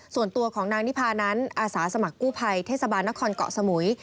ส่วนตัวของนางนิพานั้นอาสาสมัครกู้ภัยเทศบาลนครเกาะสมุย